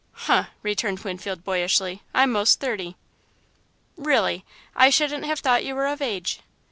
"Huh!" returned Winfield, boyishly, "I'm most thirty." "Really? I shouldn't have thought you were of age."